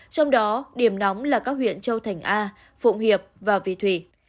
trong đó điểm nóng là các huyện châu thành a phụng hiệp và vị thủy